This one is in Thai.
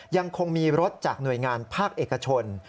ยังคงมีรถจากหน่วยงานภาคเอกชน